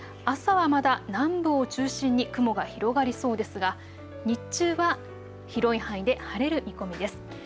朝はまだ南部を中心に雲が広がりそうですが日中は広い範囲で晴れる見込みです。